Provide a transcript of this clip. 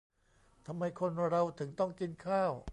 ทำไมคนเราถึงต้องกินข้าว